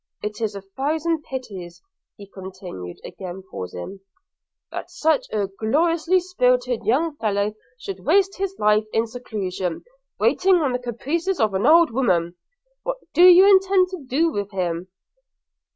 It is a thousand pities,' continued he, again pausing, 'that such a gloriously spirited young fellow should waste his life in seclusion, waiting on the caprices of an old woman – What do you intend to do with him?'